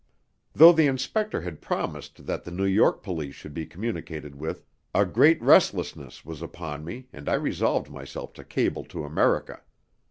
Though the inspector had promised that the New York police should be communicated with, a great restlessness was upon me, and I resolved myself to cable to America.